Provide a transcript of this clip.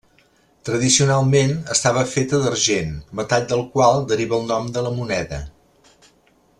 Tradicionalment estava feta d'argent, metall del qual deriva el nom de la moneda.